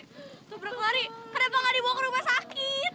kenapa enggak dibawa ke rumah sakit